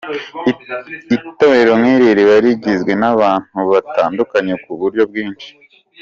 Itorero nk’iri riba rigizwe n’abantu batandukanye ku buryo bwinshi.